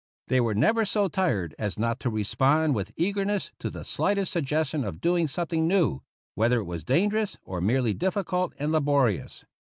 They were never so tired as not to re spond with eagerness to the slightest suggestion of doing something new, whether it was danger ous or merely difficult and laborious.